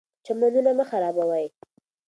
چمنونه مه خرابوئ.